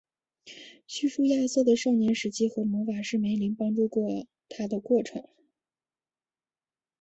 叙述亚瑟的少年时期和魔法师梅林帮助他的过程。